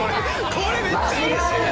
これめっちゃ嬉しいな。